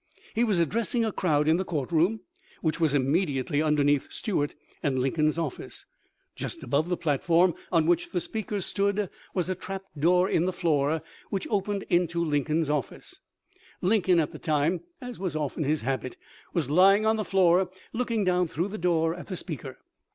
He was addressing a crowd in the court room, which was immediately underneath Stuart and Lincoln's offlce. Just above the platform on which the speaker stood *From MS. of Ninian W. Edwards. 196 THE LIFE OF LINCOLN. was a trap door in the floor, which opened into Lin coln's office. Lincoln at the time, as was often his habit, was lying on the floor looking down through the door at the speaker.